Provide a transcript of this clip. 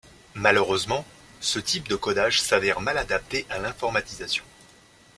Malheureusement, ce type de codage s’avère mal adapté à l’informatisation.